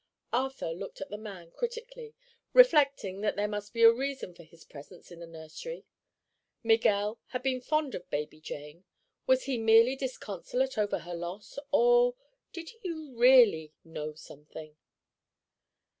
Arthur looked at the man critically, reflecting that there must be a reason for his presence in the nursery. Miguel had been fond of baby Jane. Was he merely disconsolate over her loss, or—did he really "know something"?